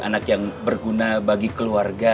anak yang berguna bagi keluarga